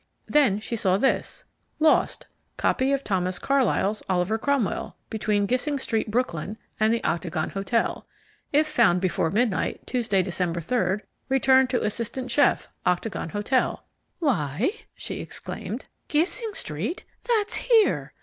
Then she saw this: LOST Copy of Thomas Carlyle's "Oliver Cromwell," between Gissing Street, Brooklyn, and the Octagon Hotel. If found before midnight, Tuesday, Dec. 3, return to assistant chef, Octagon Hotel. "Why" she exclaimed, "Gissing Street that's here!